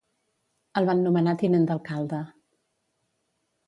El van nomenar tinent d'alcalde.